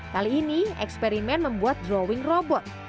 kali ini eksperimen membuat drawing robot